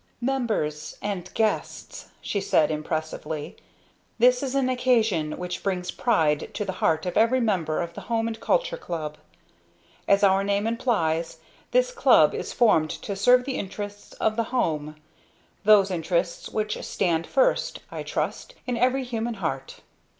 "Members and guests," she said impressively, "this is an occasion which brings pride to the heart of every member of the Home and Culture Club. As our name implies, this Club is formed to serve the interests of The Home those interests which stand first, I trust, in every human heart."